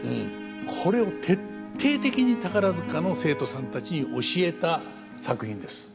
これを徹底的に宝塚の生徒さんたちに教えた作品です。